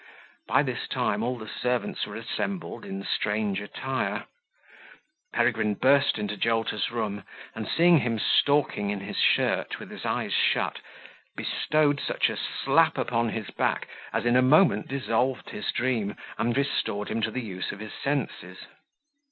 By this time, all the servants were assembled in strange attire: Peregrine burst into Jolter's room, and seeing him stalking in his shirt, with his eyes shut, bestowed such a slap upon his back, as in a moment dissolved his dream, and restored him to the use of his senses.